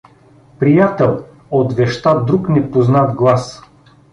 — Приятел — отвеща друг непознат глас.